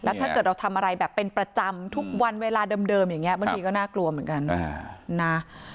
ถ้าเกิดเราทำอะไรแบบเป็นประจำทุกวันเวลาเดิมอย่างนี้บางทีก็น่ากลัวเหมือนกันนะ